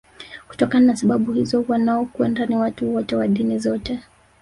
Kutokana na sababu hizo wanaokwenda ni watu wote wa dini zote